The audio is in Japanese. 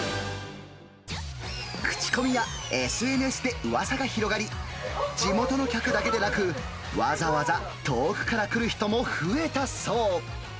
口コミやＳＮＳでうわさが広がり、地元の客だけでなく、わざわざ遠くから来る人も増えたそう。